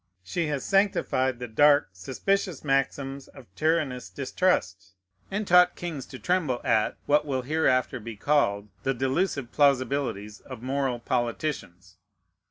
She has sanctified the dark, suspicious maxims of tyrannous distrust, and taught kings to tremble at (what will hereafter be called) the delusive plausibilities of moral politicians.